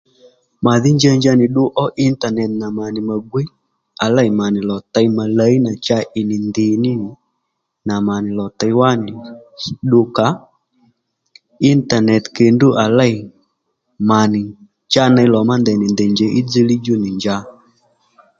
Màdhí njanja nì ddu ó intanet nà mà nì mà gwiy à lêy mà nì lò těy mà làyi nà cha ì nì ndì ní nì nà mà nì lò těy wánì ddu kǎ intanet kendú à lêy mà nì cha ney lò má ndèy nì ndèy njěy í dziylíy djú nì njǎ